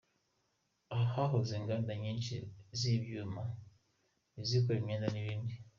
Aha hahoze inganda nyishi z’ibyuma, izikora imyenda n’ibindi.